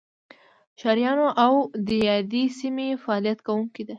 ښاریانو او دیادې سیمې فعالیت کوونکو ته